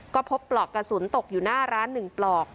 ก็พบปลอกกระสุนตกอยู่หน้าร้าน๑ปลอก